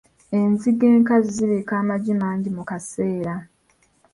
Enzige enkazi zibiika amagi mangi mu kaseera.